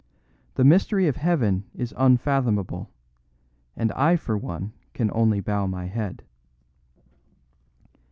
The mystery of heaven is unfathomable, and I for one can only bow my head."